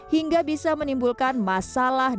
hingga bisa menimbulkan masalah